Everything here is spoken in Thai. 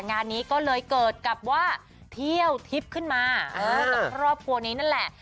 งานนี้ก็เลยเกิดกับว่าเที่ยวทิพย์ขึ้นมากับครอบครัวนี้นั่นแหละ